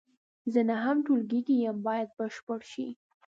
زه نهم ټولګي کې یم باید بشپړ شي.